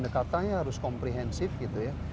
katanya harus komprehensif gitu ya